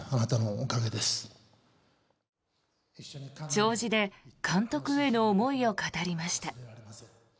弔辞で監督への思いを語りました。